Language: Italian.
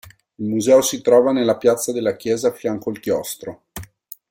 Il museo si trova nella piazza della chiesa a fianco il chiostro.